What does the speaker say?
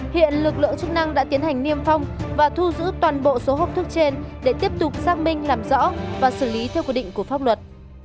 hiện lực lượng chức năng đã tiến hành niêm phong và thu giữ toàn bộ số hộp thức trên để tiếp tục xác minh làm rõ và xử lý theo quy định của pháp luật